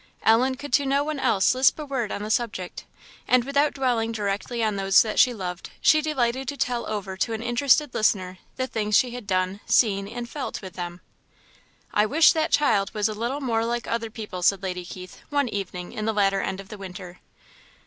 Ellen could to no one else lisp a word on the subject; and without dwelling directly on those that she loved, she delighted to tell over to an interested listener the things she had done, seen, and felt, with them. "I wish that child was a little more like other people," said Lady Keith, one evening in the latter end of the winter.